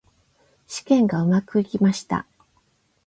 試験がうまくいきました。